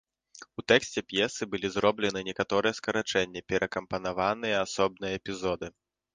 У тэксце п'есы былі зроблены некаторыя скарачэнні, перакампанаваныя асобныя эпізоды.